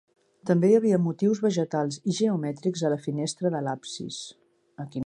També hi havia motius vegetals i geomètrics a la finestra de l'absis.